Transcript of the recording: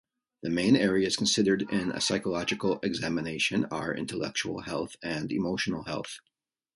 The main areas considered in a psychological examination are intellectual health and emotional health.